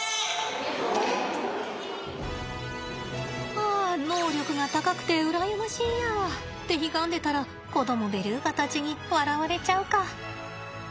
ああ能力が高くて羨ましいや。ってひがんでたら子どもベルーガたちに笑われちゃうか。